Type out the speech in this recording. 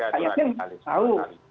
pak yasin tahu